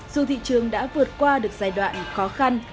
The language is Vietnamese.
dù thị trường đã vượt qua được giai đoạn khó khăn